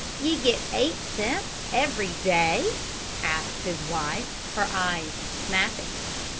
"Ye get eight cents every day?" asked his wife, her eyes snapping.